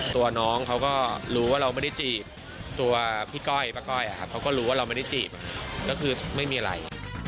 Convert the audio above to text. ตัวน้องเขาก็รู้ว่าเราไม่ได้จีบตัวพี่ก้อยป้าก้อยเขาก็รู้ว่าเราไม่ได้จีบก็คือไม่มีอะไร